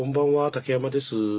竹山です。